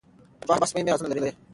شبح سپوږمۍ رازونه لري.